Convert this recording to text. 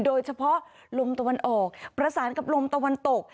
โดยเฉพาะลมตะวันออกประสานกับลมตะวันตก